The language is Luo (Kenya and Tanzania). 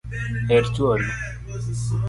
Her chuori